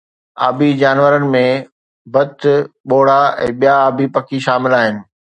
آبي جانورن ۾ بتھ، ٻوڙا ۽ ٻيا آبي پکي شامل آھن